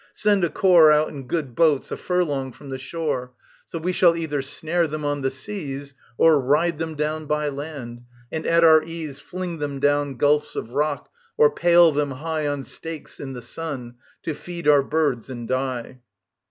Send a corps Out in good boats a furlong from the shore; So we shall either snare them on the seas Or ride them down by land, and at our ease Fling them down gulfs of rock, or pale them high On stakes in the sun, to feed our birds and die.